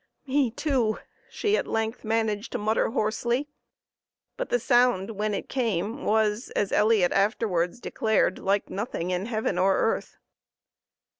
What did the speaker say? "Me too," she at length managed to mutter hoarsely; but the sound when it came was, as Elliot afterwards declared, like nothing in heaven or earth.